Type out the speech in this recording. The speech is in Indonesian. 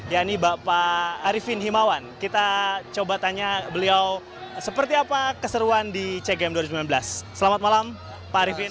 ya ini bapak arifin himawan kita coba tanya beliau seperti apa keseruan di cgm dua ribu sembilan belas selamat malam pak arifin